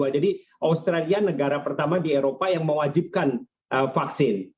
jadi australia negara pertama di eropa yang mewajibkan vaksin